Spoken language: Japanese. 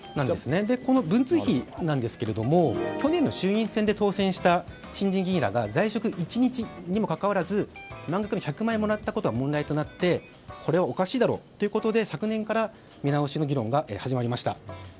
この文通費ですけども去年の衆院選で当選した新人議員らが在職１日にもかかわらず満額の１００万円をもらったことが問題となっておかしいだろうということで昨年から見直しの議論が始まりました。